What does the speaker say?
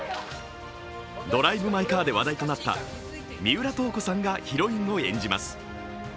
「ドライブ・マイ・カー」で話題となった三浦透子さんがヒロインを演じます。